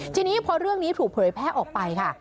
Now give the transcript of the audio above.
ทีนี้พอเรื่องนี้ถูกเผยแพร่ออกไปค่ะ